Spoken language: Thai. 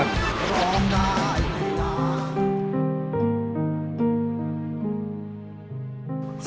ร้องได้ให้ล้าน